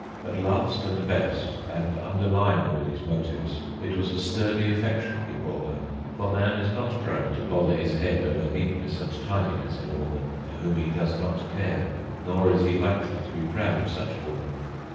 But last and best, and underlying all these motives, it was a sturdy affection he bore her; for man is not prone to bother his head over neatness and tidiness in a woman for whom he does not care, nor is he likely to be proud of such a woman.